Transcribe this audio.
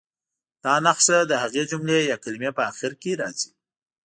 دا نښه د هغې جملې یا کلمې په اخر کې راځي.